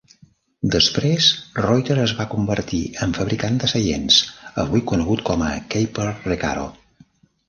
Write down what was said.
Després Reuter es va convertir en fabricant de seients, avui conegut com a Keiper-Recaro.